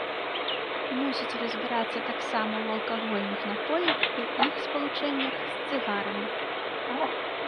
Мусіць разбірацца таксама ў алкагольных напоях і іх спалучэннях з цыгарамі.